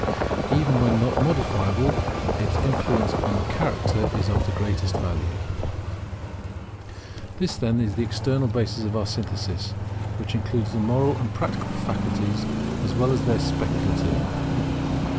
[Even where not modifiable, its influence on the character is of the greatest value] This, then, is the external basis of our synthesis, which includes the moral and practical faculties, as well as the speculative.